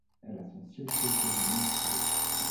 Elle a son siège social à Mexico.